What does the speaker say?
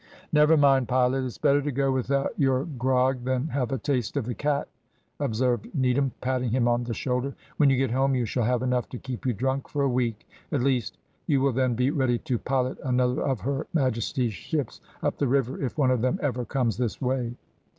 "`Never mind, pilot, it's better to go without your grog than have a taste of the cat,' observed Needham, patting him on the shoulder, `when you get home you shall have enough to keep you drunk for a week; at least, you will then be ready to pilot another of her Majesty's ships up the river, if one of them ever comes this way.'